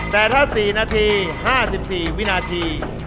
แต่ถ้า๔นาที๕๔วินาที